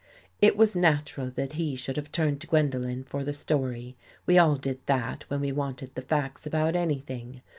It was natural that he should have turned to Gwendolen for the story. We all did that when we wanted the facts about anything.